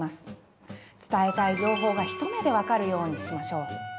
伝えたい情報が一目でわかるようにしましょう。